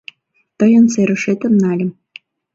Тыйын серышетым нальым.